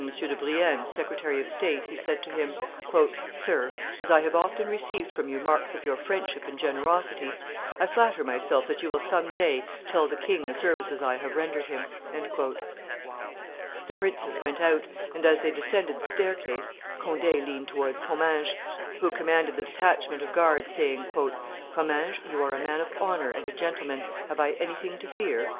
de Brienne, secretary of state, he said to him, "Sir, as I have often received from you marks of your friendship and generosity, I flatter myself that you will some day tell the king the services I have rendered him." The princes went out; and, as they descended the staircase, Conde leaned towards Comminges, who commanded the detachment of guards, saying, "Comminges, you are a man of honor and a gentleman; have I anything to fear?"